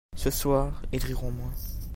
Ce soir ils riront moins.